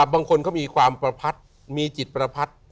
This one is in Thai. บางคนก็มีความประพัดมีจิตประพัด